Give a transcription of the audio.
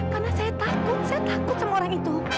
karena saya takut saya takut sama orang itu